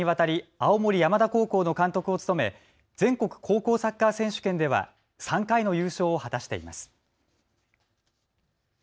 青森山田高校の監督を務め全国高校サッカー選手権では３回の優勝を果たしています。